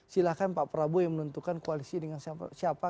silahkan pak prabowo yang menentukan koalisi dengan siapa